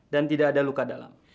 dan tidak ada luka dalam